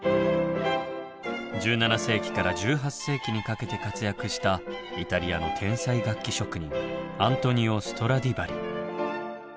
１７世紀から１８世紀にかけて活躍したイタリアの天才楽器職人アントニオ・ストラディバリ。